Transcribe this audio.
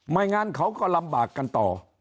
งั้นเขาก็ลำบากกันต่อ